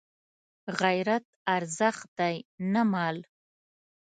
غیرت ارزښت دی نه مال